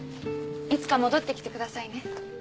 いつか戻ってきてくださいね。